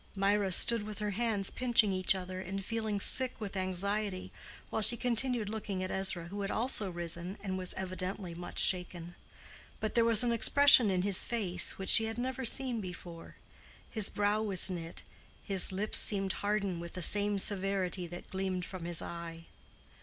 Mirah stood with her hands pinching each other, and feeling sick with anxiety, while she continued looking at Ezra, who had also risen, and was evidently much shaken. But there was an expression in his face which she had never seen before; his brow was knit, his lips seemed hardened with the same severity that gleamed from his eye.